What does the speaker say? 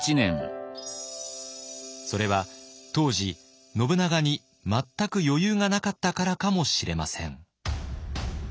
それは当時信長に全く余裕がなかったからかもしれません。